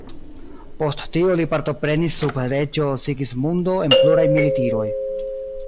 Post tio li partoprenis sub reĝo Sigismundo en pluraj militiroj.